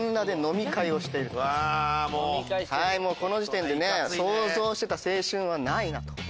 もうこの時点で想像してた青春はないなと。